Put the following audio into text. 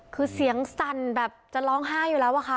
คือเสียงสั่นแบบจะร้องไห้อยู่แล้วอะค่ะ